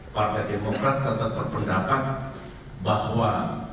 partai demokrat tetap berpendapat bahwa